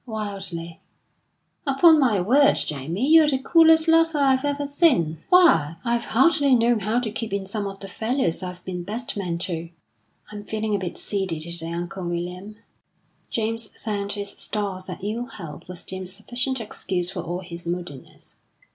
"Wildly!" "Upon my word, Jamie, you're the coolest lover I've ever seen. Why, I've hardly known how to keep in some of the fellows I've been best man to." "I'm feeling a bit seedy to day, Uncle William." James thanked his stars that ill health was deemed sufficient excuse for all his moodiness.